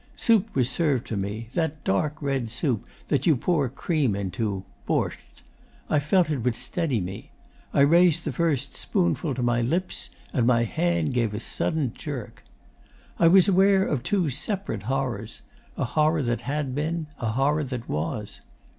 Soup was served to me that dark red soup that you pour cream into Bortsch. I felt it would steady me. I raised the first spoonful to my lips, and my hand gave a sudden jerk. 'I was aware of two separate horrors a horror that had been, a horror that was.